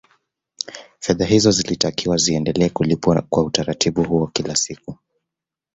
Fedha hizo zilitakiwa ziendelee kulipwa kwa utaratibu huo kila siku